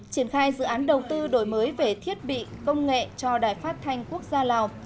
triển khai dự án đầu tư đổi mới về thiết bị công nghệ cho đài phát thanh quốc gia lào